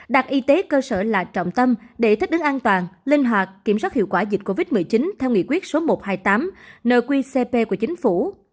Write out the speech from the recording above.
đạt y tế cơ sở là trọng tâm để thích đứng an toàn linh hoạt kiểm soát hiệu quả dịch covid một mươi chín theo nghị quyết số một trăm hai mươi tám nợ quy cp của chính phủ